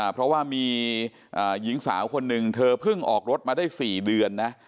เพราะว่ามีหญิงสาวคนหนึ่งเธอเพิ่งออกรถมาได้๔เดือนนะ